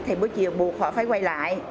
thì buổi chiều buộc họ phải quay lại